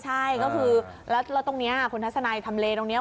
ใช่ก็คือแล้วตรงนี้คุณทัศนัยทำเลตรงนี้